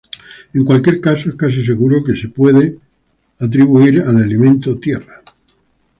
En cualquier caso, es casi seguro que puede ser atribuido al elemento Tierra.